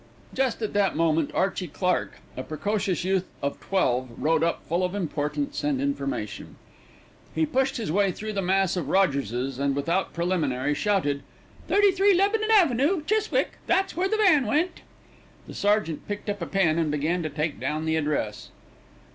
Just at that moment Archie Clark, a precocious youth of twelve, rode up full of importance and information. He pushed his way through the mass of Rogerses, and without preliminary shouted, "33 Lebanon Avenue, Chiswick; that's where the van went." The sergeant picked up a pen and began to take down the address.